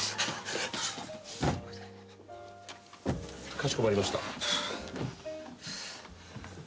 かしこまりました。